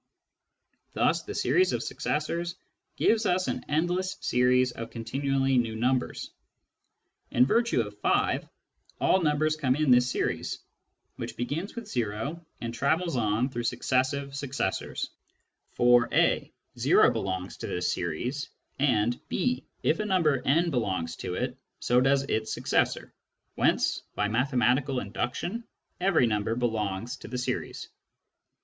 Thus the series of successors gives us an endless series of continually new numbers. In virtue of (5) all numbers come in this series, which begins with o and travels on through successive successors : for (a) o belongs to this series, and (b) if a number n belongs to it, so does its successor, whence, by mathematical induction, every number belongs to the series.